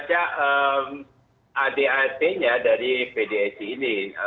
jadi kalau ada pertanyaan dari pdsi